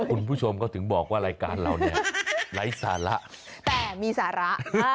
คุณผู้ชมก็ถึงบอกว่ารายการเราเนี่ยไร้สาระแต่มีสาระ